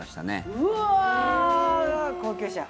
うわあ、高級車。